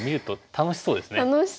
楽しそうですね。